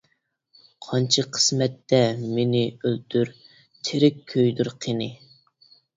قانچە قىسمەتتە مېنى ئۆلتۈر، تىرىك كۆيدۈر. قېنى!